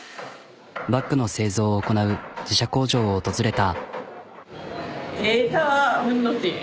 バッグの製造を行なう自社工場を訪れた。